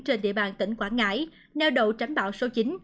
trên địa bàn tỉnh quảng ngãi neo đậu tránh bão số chín